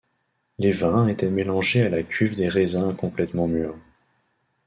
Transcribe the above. Les vins était mélangé à la cuve des raisins incomplètement mûrs.